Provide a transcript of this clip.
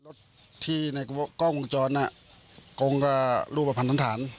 รถที่ในกล้องกรุงจรน่ะกรงก็รูปประพันธ์ต้นฐาน